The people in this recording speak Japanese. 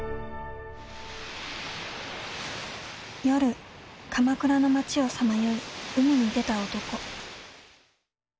夜鎌倉の町をさまよい海に出た男。